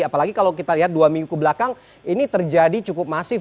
apalagi kalau kita lihat dua minggu kebelakang ini terjadi cukup masif